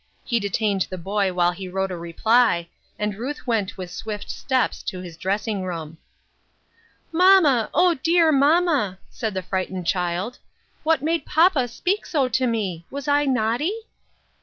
He detained the boy while he wrote a reply, and Ruth went with swift steps to his dressing room. " Mamma, O, clear mamma !" said the frightened child, " what made papa speak so to me ? Was I naughty